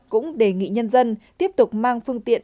cũng đề nghị nhân dân tiếp tục mang phương tiện